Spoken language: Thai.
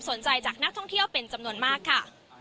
จากนักท่องเที่ยวเป็นจำนวนมากค่ะ